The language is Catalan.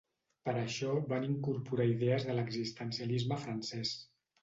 Per això van incorporar idees de l'existencialisme francès.